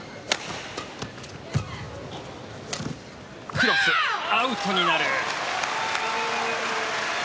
クロス、アウトになる。